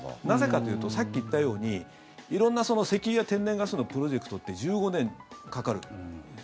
なぜかというとさっき言ったように色んな石油や天然ガスのプロジェクトって１５年かかる。